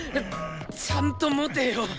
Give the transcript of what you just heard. ちゃんと持てよ！